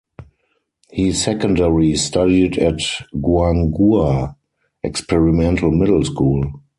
He secondary studied at Guanghua Experimental Middle School.